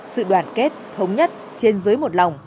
sự đoàn kết thống nhất trên dưới một lòng